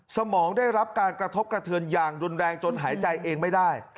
สมองได้รับการกระทบกระเทือนอย่างรุนแรงจนหายใจเองไม่ได้